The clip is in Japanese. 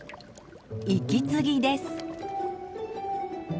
息継ぎです。